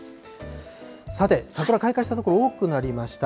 さて、桜開花した所、多くなりました。